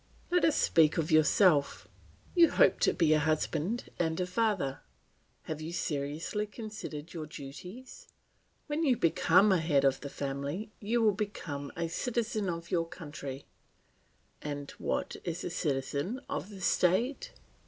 "Let us speak of yourself. You hope to be a husband and a father; have you seriously considered your duties? When you become the head of a family you will become a citizen of your country. And what is a citizen of the state?